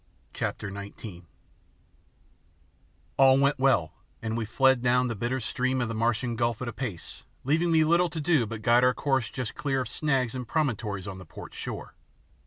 CHAPTER XIX All went well and we fled down the bitter stream of the Martian gulf at a pace leaving me little to do but guide our course just clear of snags and promontories on the port shore.